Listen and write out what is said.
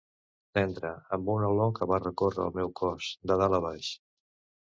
Tendra, amb una olor que va recórrer el meu cos, de dalt a baix.